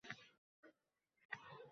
Nimagaki ega boʼlsak, bas